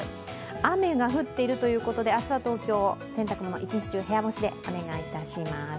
雨が降っているということで明日は東京、洗濯物、一日中、部屋干しでお願いいたします。